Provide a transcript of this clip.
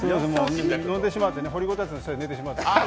飲んでしまってね、掘ごたつで寝てしまって。